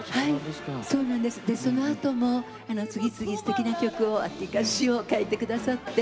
そのあとも次々すてきな曲を歌詞を書いてくださって。